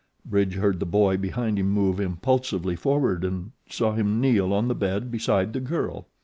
Bridge heard the boy behind him move impulsively forward and saw him kneel on the bed beside the girl.